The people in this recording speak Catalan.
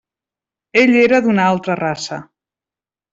Ell era d'una altra raça.